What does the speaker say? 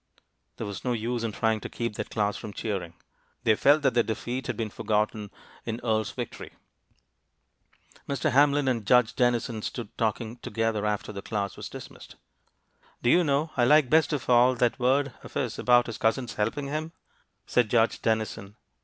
There was no use in trying to keep that class from cheering. They felt that their defeat had been forgotten in Earle's victory. Mr. Hamlin and Judge Dennison stood talking together after the class was dismissed. "Do you know, I like best of all that word of his about his cousin's helping him?" said Judge Dennison.